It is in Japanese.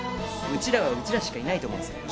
うちらはうちらしかいないと思うんですよ。